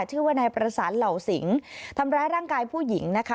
ชื่อว่านายประสานเหล่าสิงทำร้ายร่างกายผู้หญิงนะคะ